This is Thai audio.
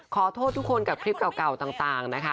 ขอโทษทุกคนกับคลิปเก่าต่างนะคะ